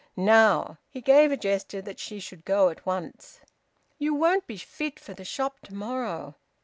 Now!" He gave a gesture that she should go at once. "You won't be fit for the shop to morrow."